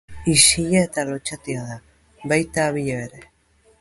Isila eta lotsatia da, baita abila ere.